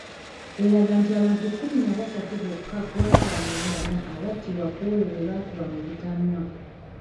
Eraga nti abantu kkumi na basatu bokka ku ataano mu bana abattibwa ku olwo be baakuba mu butanwa.